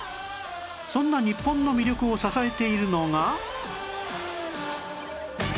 そんな日本の魅力を支えているのが